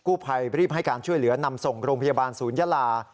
ภัยรีบให้การช่วยเหลือนำส่งโรงพยาบาลศูนยาลา